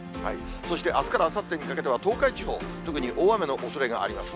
そしてあすからあさってにかけては、東海地方、特に大雨のおそれがあります。